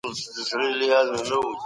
په پوهنتونونو کي باید تعصب شتون ونه لري.